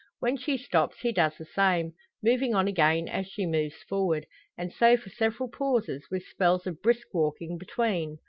When she stops he does the same, moving on again as she moves forward. And so for several pauses, with spells of brisk walking between.